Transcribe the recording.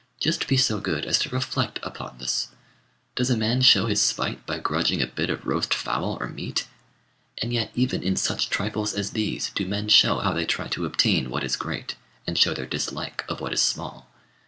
Just be so good as to reflect upon this. Does a man show his spite by grudging a bit of roast fowl or meat? And yet even in such trifles as these do men show how they try to obtain what is great, and show their dislike of what is small.